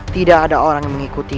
tidak ada orang yang mengikuti